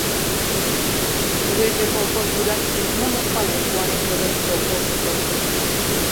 — Тугеже, колхоз вуйлатыше нимом ок пале? — куанен йодеш Полковников.